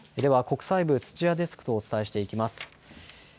では国際部、土屋デスクとお伝えしていきます。